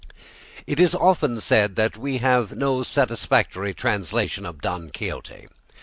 It is often said that we have no satisfactory translation of "Don Quixote."